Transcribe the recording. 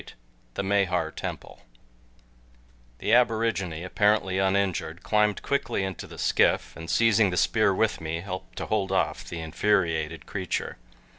VIII THE MAHAR TEMPLE THE ABORIGINE, APPARENTLY UNINJURED, CLIMBED quickly into the skiff, and seizing the spear with me helped to hold off the infuriated creature.